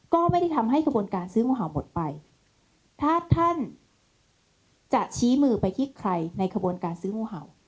ก็ไม่ได้ทำให้กระบวนการซื้องูเห่าหมดไปถ้าท่านจะชี้มือไปที่ใครในขบวนการซื้องูเห่า